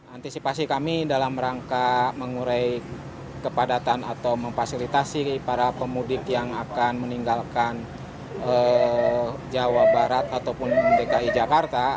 antisipasi kami dalam rangka mengurai kepadatan atau memfasilitasi para pemudik yang akan meninggalkan jawa barat ataupun dki jakarta